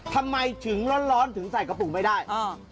ทำไมถึงร้อนถึงใส่กระปุกไม่ได้